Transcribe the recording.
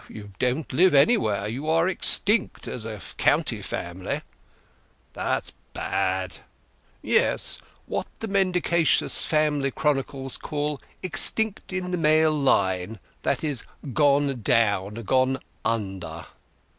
"You don't live anywhere. You are extinct—as a county family." "That's bad." "Yes—what the mendacious family chronicles call extinct in the male line—that is, gone down—gone under."